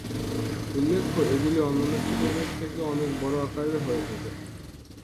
উল্লেখ্য, এগুলি অন্যান্য স্টেডিয়ামের থেকে অনেক বড়ো আকারের হয়ে থাকে।